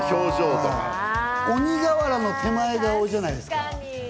鬼瓦の手前顔じゃないですか？